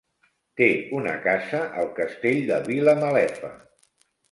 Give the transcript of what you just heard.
Té una casa al Castell de Vilamalefa.